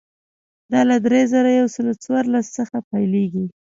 دا له درې زره یو سل څوارلس څخه پیلېږي.